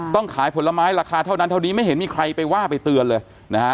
ขายผลไม้ราคาเท่านั้นเท่านี้ไม่เห็นมีใครไปว่าไปเตือนเลยนะฮะ